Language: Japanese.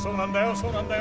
そうなんだよ。